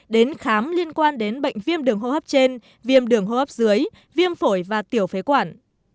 đến khám liên quan đến bệnh viêm đường hô hấp trên viêm đường hô hấp dưới viêm phổi và tiểu phế quản